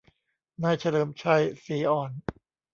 นายเฉลิมชัย ศรีอ่อน